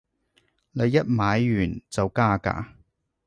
你一買完就加價